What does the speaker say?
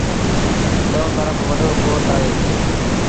چئو ترڦ وڏو ڪوٽ اهي۔